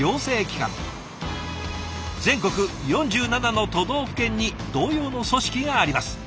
全国４７の都道府県に同様の組織があります。